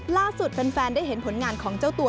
แฟนได้เห็นผลงานของเจ้าตัว